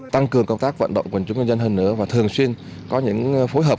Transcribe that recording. tăng cường công tác vận động của chúng dân hơn nữa và thường xuyên có những phối hợp